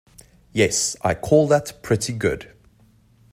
Yes, I call that pretty good.